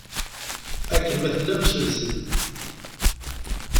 Akken ma tellam, slet-d!